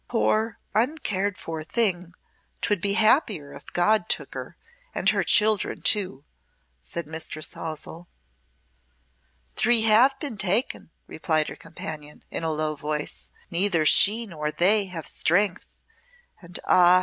"Poor, uncared for thing, 'twould be happier if God took her, and her children, too," said Mistress Halsell. "Three have been taken," replied her companion, in a low voice. "Neither she nor they have strength. And ah!